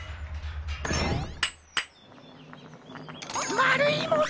まるいもの！